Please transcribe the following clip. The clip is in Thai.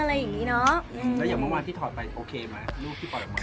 แล้วอย่างเมื่อที่ถอดไปโอเคไหมลูกที่ปล่อยออกมา